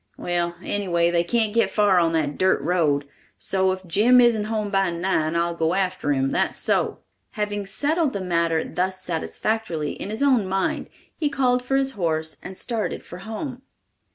Well, anyway, they can't get far on that dirt road, so if Jim isn't home by nine, I'll go after 'em, that's so." Having settled the matter thus satisfactorily in his own mind, he called for his horse and started for home.